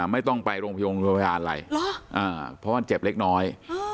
ไม่ต้องไปโรงพยาบาลอะไรเพราะมันเจ็บเล็กน้อย